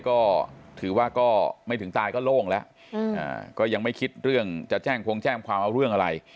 ก็ถือว่าก็ไม่ถึงตายก็โล่งแล้วก็ยังไม่คิดเรื่องจะแจ้งพงแจ้งความเอาเรื่องอะไร